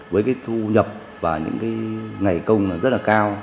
với cái thu nhập và những cái ngày công rất là cao